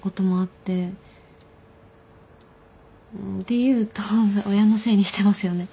って言うと親のせいにしてますよね。